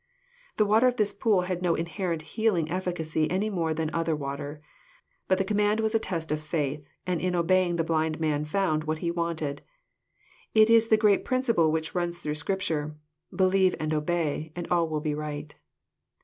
The water of this pool had no inherent healing efficacy any more than other water. But the command was a test of faith, and in obeying, the blind man found what he wanted. It is the great principle which runs through Scripture, —'* Believe and obey, and all will be right."